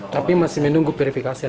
tapi masih menunggu verifikasi